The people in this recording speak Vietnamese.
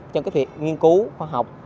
trong cái việc nghiên cứu khoa học